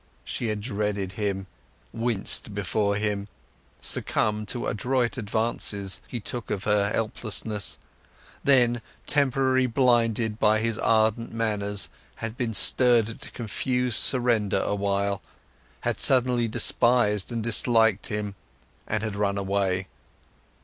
She had dreaded him, winced before him, succumbed to adroit advantages he took of her helplessness; then, temporarily blinded by his ardent manners, had been stirred to confused surrender awhile: had suddenly despised and disliked him, and had run away.